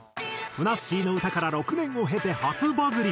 『ふなっしーの歌』から６年を経て初バズり。